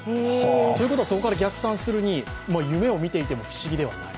ということは、そこから逆算するに夢を見ていても不思議ではない。